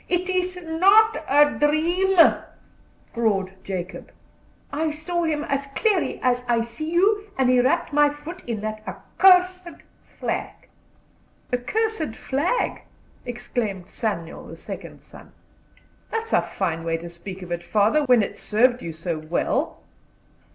"It was not a dream," roared Jacob; "I saw him as clearly as I see you, and he wrapped my foot up in that accursed flag." "Accursed flag!" exclaimed Samuel, the second son. "That's a fine way to speak of it, father, when it served you so well."